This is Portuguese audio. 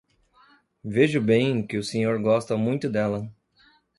Vejo bem que o senhor gosta muito dela...